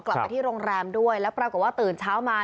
กลับไปที่โรงแรมด้วยแล้วปรากฏว่าตื่นเช้ามา